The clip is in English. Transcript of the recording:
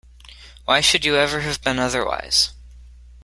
Why should you ever have been otherwise?